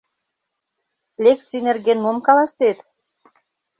— Лекций нерген мом каласет?